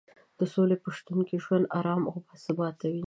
د سولې په شتون کې ژوند ارام او باثباته وي.